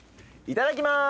いただきます。